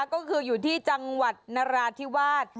ก็คืออยู่ที่จังหวัดนราธิวาส